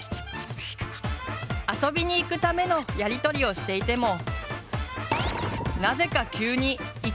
遊びに行くためのやり取りをしていても。